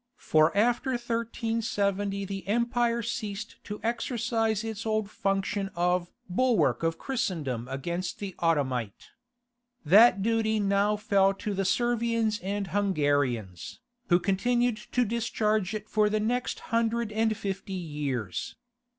For after 1370 the empire ceased to exercise its old function of "bulwark of Christendom against the Ottomite." That duty now fell to the Servians and Hungarians, who continued to discharge it for the next hundred and fifty years.